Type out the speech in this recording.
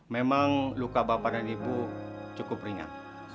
memang luka bapak dan ibu cukup ringan